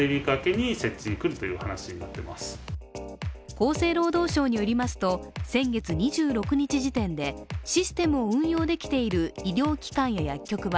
厚生労働省によりますと先月２６日時点でシステムを運用できている医療機関や薬局は